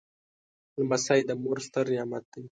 لمسی د مور ستر نعمت دی.